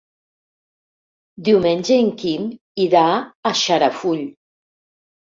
Diumenge en Quim irà a Xarafull.